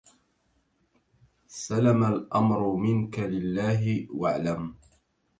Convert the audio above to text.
سلم الأمر منك لله واعلم